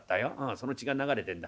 その血が流れてんだ。